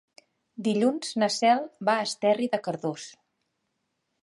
Dilluns na Cel va a Esterri de Cardós.